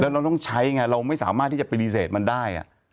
เราต้องใช้ไงเราไม่สามารถที่จะปฏิเสธมันได้